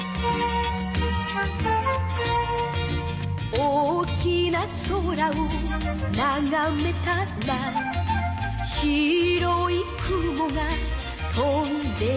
「大きな空をながめたら」「白い雲が飛んでいた」